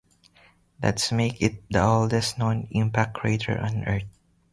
That makes it the oldest known impact crater on Earth.